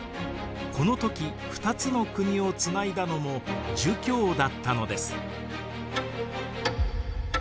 この時２つの国をつないだのも儒教だったのです。